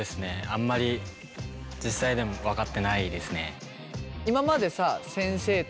あんまり実際でも分かってないですね。